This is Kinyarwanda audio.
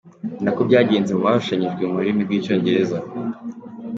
Ni nako byagenze mu barushanyijwe mu rurimi rw’Icyongereza.